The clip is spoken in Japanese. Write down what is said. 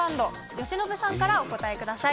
由伸さんからお答えください。